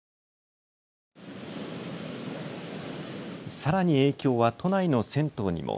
さらに影響は都内の銭湯にも。